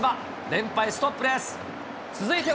連敗ストップです。